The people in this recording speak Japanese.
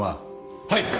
はい。